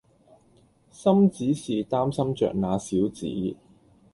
心只是擔心著那小子